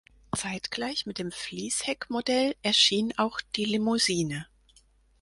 Zeitgleich mit dem Fließheck-Modell erschien auch die Limousine.